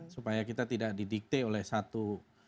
supaya kita tidak di dikti oleh satu